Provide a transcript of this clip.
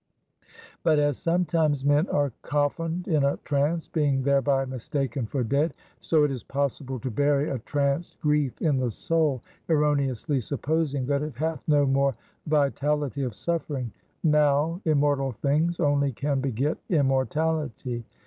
But, as sometimes men are coffined in a trance, being thereby mistaken for dead; so it is possible to bury a tranced grief in the soul, erroneously supposing that it hath no more vitality of suffering. Now, immortal things only can beget immortality.